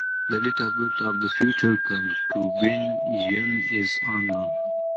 The date of birth of the future Concubine Yun is unknown.